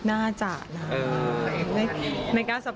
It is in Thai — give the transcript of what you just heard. น่าจะนะไม่กล้าสปอยเยอะเลย